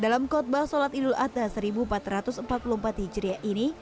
dalam khutbah sholat idul adha seribu empat ratus empat puluh empat hijriah ini